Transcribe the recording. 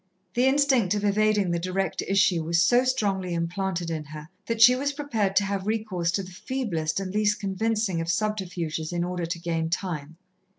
The instinct of evading the direct issue was so strongly implanted in her, that she was prepared to have recourse to the feeblest and least convincing of subterfuges in order to gain time.